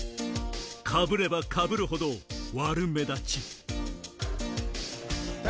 かぶればかぶるほど悪目立ち